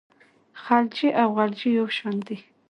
خلجي او غلجي یو شان دي.